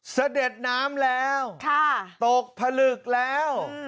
เสด็จน้ำแล้วตกผลึกแล้ว